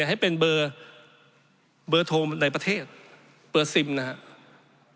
ให้เป็นเบอร์โทรในประเทศเบอร์ซิมนะครับ